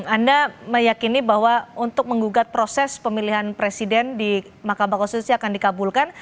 anda meyakini bahwa untuk menggugat proses pemilihan presiden di mahkamah konstitusi akan dikabulkan